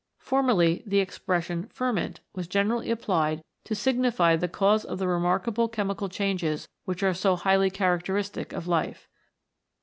Formerly the expression Ferment was generally applied to signify the cause of the remarkable chemical changes which are so highly characteristic of life.